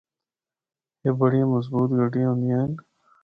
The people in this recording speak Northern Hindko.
اے بڑیاں مضبوط گڈیاں ہوندیاں ہن۔